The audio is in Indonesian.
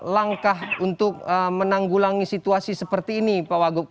langkah untuk menanggulangi situasi seperti ini pak wagub